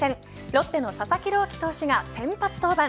ロッテの佐々木朗希投手が先発登板。